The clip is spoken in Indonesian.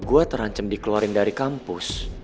saya terancam dikeluarkan dari kampus